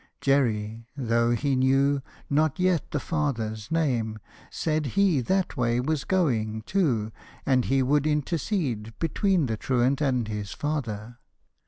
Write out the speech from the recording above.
Jerry, though he knew Not yet the father's name, said he that way Was going, too, and he would intercede Between the truant and his father.